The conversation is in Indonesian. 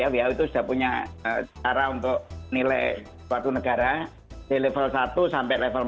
who itu sudah punya cara untuk nilai suatu negara di level satu sampai level empat